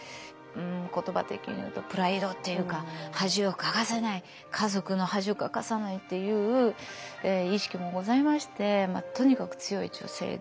言葉的にいうとプライドっていうか恥をかかせない家族に恥をかかせないっていう意識もございましてとにかく強い女性で。